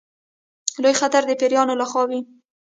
لوی خطر د پیرانو له خوا وي.